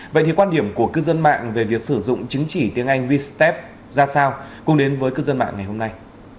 vậy thì quan điểm của cư dân mạng về việc sử dụng chứng chỉ tiếng anh v step ra sao cùng đến với cư dân mạng ngày hôm nay